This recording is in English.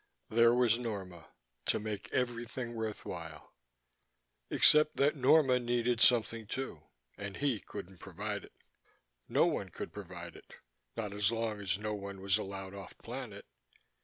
There was Norma to make everything worth while except that Norma needed something, too, and he couldn't provide it. No one could provide it, not as long as no one was allowed off planet.